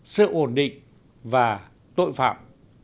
sự ổn định và tội phạm